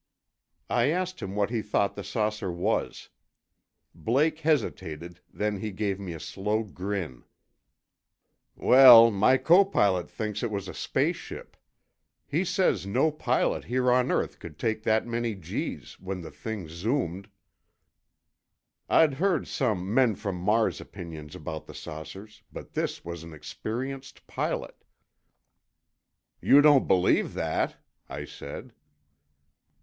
I asked him what he thought the saucer was. Blake hesitated, then he gave me a slow grin. "Well, my copilot thinks it was a space ship. He says no pilot here on earth could take that many G's, when the thing zoomed." I'd heard some "men from Mars" opinions about the saucers, but this was an experienced pilot. "You don't believe that?" I said.